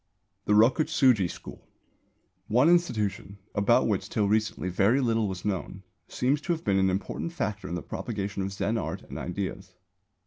THE ROKUTSŪJI SCHOOL. One institution, about which till recently very little was known, seems to have been an important factor in the propagation of Zen art and ideas.